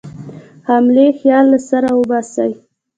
حملې خیال له سره وباسي.